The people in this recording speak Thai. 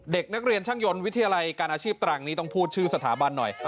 เด็กนักเรียนช่างยนต์วิทยาลัยการอาชีพตรังนี้ต้องพูดชื่อสถาบันหน่อย